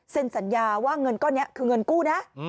เซ็นสัญญาว่าเงินก็เนี่ยคือเงินกู้นะ